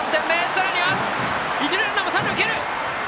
さらには一塁ランナーも三塁を蹴る！